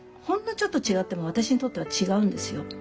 ほんのちょっと違っても私にとっては違うんですよ。